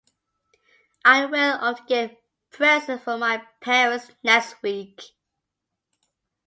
I will often get presents from my parents next week.